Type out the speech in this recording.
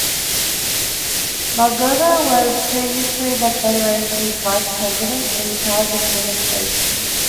Magogo was previously the Federation's Vice President, in charge of administration.